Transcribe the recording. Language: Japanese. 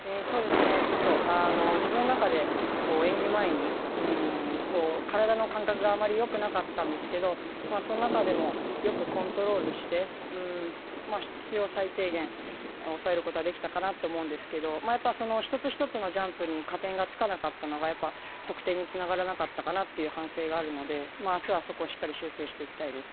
ちょっと自分の中で演技前に体の感覚があまりよくなかったんですけどその中でもよくコントロールして必要最低限押さえることはできたかなと思うんですけど１つ１つのジャンプに加点がつかなかったのが得点につながらなかったかなという反省があるので明日はそこをしっかり修正していきたいです。